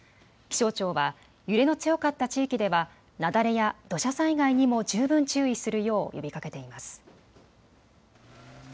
気象庁は揺れの強かった地域では雪崩や土砂災害にも十分注意するよう呼びかけています。